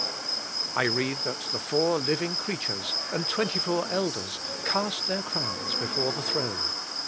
I read that the four living creatures and twenty four elders cast their crowns before the throne.